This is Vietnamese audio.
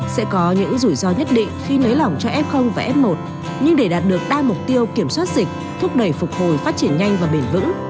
sẽ có những rủi ro nhất định khi nới lỏng cho f và f một nhưng để đạt được đa mục tiêu kiểm soát dịch thúc đẩy phục hồi phát triển nhanh và bền vững